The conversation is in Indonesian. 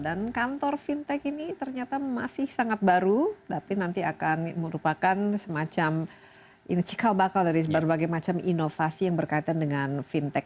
dan kantor fintech ini ternyata masih sangat baru tapi nanti akan merupakan semacam cikal bakal dari semacam inovasi yang berkaitan dengan fintech